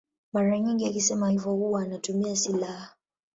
Mara nyingi akisema hivyo huwa anatumia silaha.